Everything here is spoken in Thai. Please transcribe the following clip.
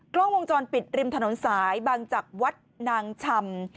กล้องวงจรปิดริมถนนสายบางจักรวัดนางชำ